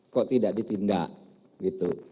kok tidak ditindak gitu